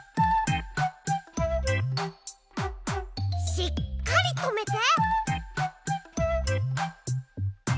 しっかりとめて。